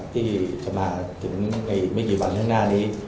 ที่จะมาถึงอีกไม่กี่วันข้างหน้านี้